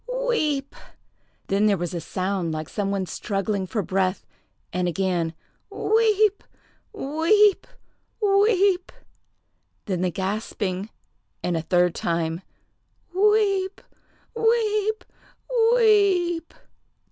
weep!" Then there was a sound like some one struggling for breath, and again "Weep! weep! weep!" Then the gasping, and a third time, "Weep! weep! weep!"